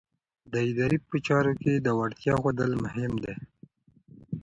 د ادارې په چارو کې د وړتیا ښودل مهم دي.